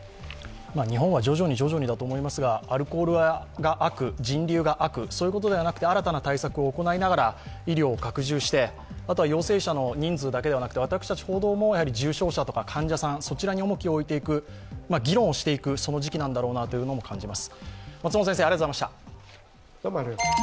日本は徐々にだと思いますがアルコールが悪、人流が悪、そういうことではなくて、新たな対策を行いながら医療を拡充して、あとは陽性者の人数だけではなくて私たち報道も重症者とか患者さんに重きを置いていく、議論をしていく、その時期なんだろうなと感じます。